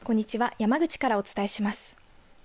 山口からお伝えします。